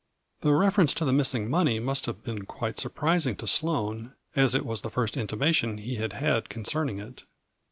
The reference to the missing money must have been quite surprising to Sloane, as it was the first intimation he had had concerning it.